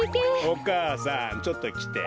お母さんちょっときて。